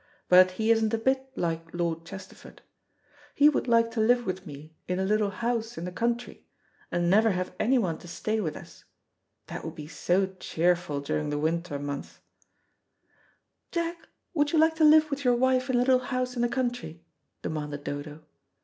"But he isn't a bit like Lord Chesterford. He would like to live with me in a little house in the country, and never have anyone to stay with us. That would be so cheerful during the winter months." "Jack, would you like to live with your wife in a little house in the country?" demanded Dodo.